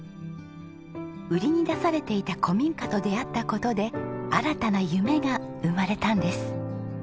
売りに出されていた古民家と出会った事で新たな夢が生まれたんです。